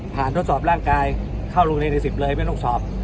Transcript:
ทดสอบร่างกายเข้าโรงเรียนใน๑๐เลยไม่ต้องสอบ